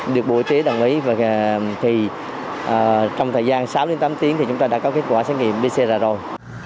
được bộ y tế đồng ý thì trong thời gian sáu đến tám tiếng thì chúng ta đã có kết quả xét nghiệm pcr rồi